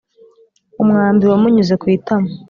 umwambi wamunyuze kwitama